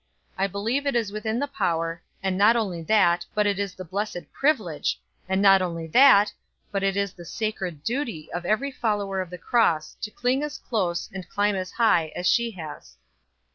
I believe it is within the power, and not only that, but it is the blessed privilege, and not only that, but it is the sacred duty of every follower of the cross to cling as close and climb as high as she has."